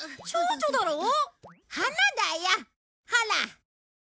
花だよほら。